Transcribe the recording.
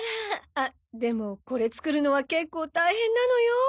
あっでもこれ作るのは結構大変なのよ。